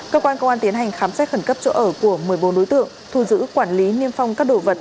cơ quan công an tiến hành khám xét khẩn cấp chỗ ở của một mươi bốn đối tượng thu giữ quản lý niêm phong các đồ vật